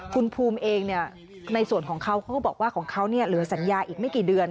คุณภูมิเองในส่วนของเขาเขาก็บอกว่าของเขาเหลือสัญญาอีกไม่กี่เดือน